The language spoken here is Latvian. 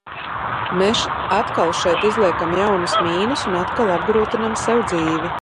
"Mēs atkal šeit izliekam jaunas "mīnas" un atkal apgrūtinām sev dzīvi."